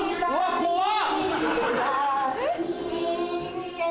怖い。